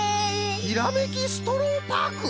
ひらめきストローパーク！？